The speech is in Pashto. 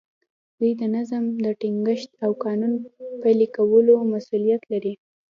دوی د نظم د ټینګښت او قانون پلي کولو مسوولیت لري.